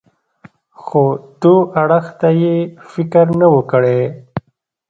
خو دو اړخ ته يې فکر نه و کړى.